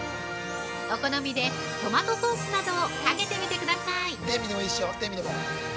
お好みでトマトソースなどをかけてみてください！